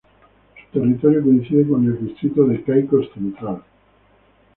Su territorio coincide con el 'Distrito de Caicos Central'.